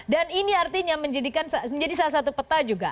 dan ini artinya menjadi salah satu peta juga